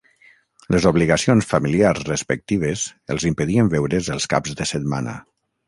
Les obligacions familiars respectives els impedien veure’s els caps de setmana.